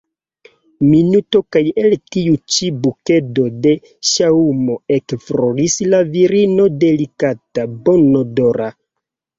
Minuto kaj el tiu ĉi bukedo de ŝaŭmo ekfloris la virino delikata, bonodora.